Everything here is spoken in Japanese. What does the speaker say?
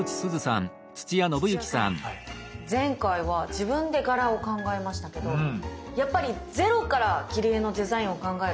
前回は自分で柄を考えましたけどやっぱりゼロから切り絵のデザインを考えるっていうのは大変なんですかね。